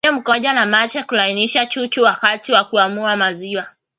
Kutumia mkojo na mate kulainisha chuchu wakati wa kukamua maziwa